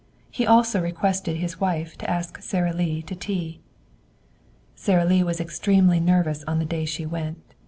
He also requested his wife to ask Sara Lee to tea. Sara Lee was extremely nervous on the day she went.